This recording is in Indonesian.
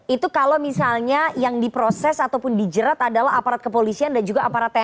itu kalau misalnya yang diproses ataupun dijerat adalah aparat kepolisian dan juga aparat tni